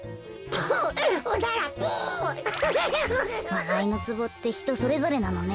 わらいのツボってひとそれぞれなのね。